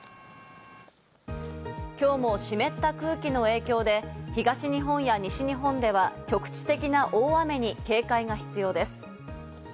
きょうも湿った空気の影響で、東日本や西日本では局地的な大雨に警戒が必要です。